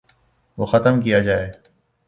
وہ ختم کیا جائے۔